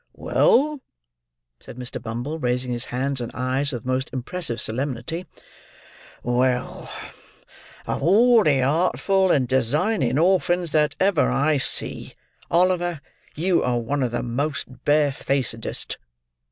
"Well!" said Mr. Bumble, raising his hands and eyes with most impressive solemnity. "Well! of all the artful and designing orphans that ever I see, Oliver, you are one of the most bare facedest."